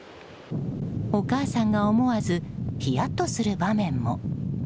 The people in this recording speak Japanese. お母さんが思わずひやっとする場面も。